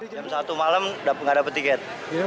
jam satu malam nggak dapat tiket